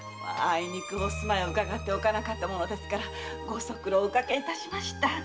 あいにくお住まいを伺っておかなかったものですからご足労をおかけいたしました。